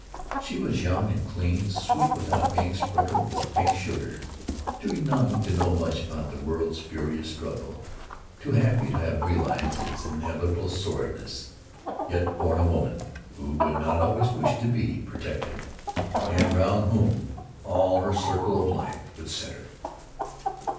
She was young and clean, sweet without being sprinkled with pink sugar; too young to know much about the world's furious struggle; too happy to have realized its inevitable sordidness; yet born a woman who would not always wish to be "protected," and round whom all her circle of life would center....